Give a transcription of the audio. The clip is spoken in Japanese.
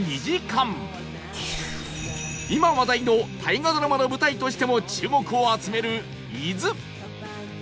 今話題の大河ドラマの舞台としても注目を集める伊豆